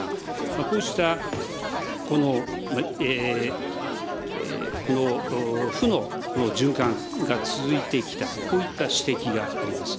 こうした、この負の、この循環が続いてきた、こういった指摘があります。